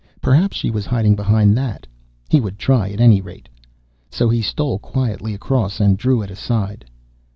Perhaps she was hiding behind that? He would try at any rate. So he stole quietly across, and drew it aside.